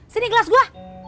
sini gelas gue